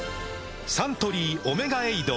サントリー「オメガエイド」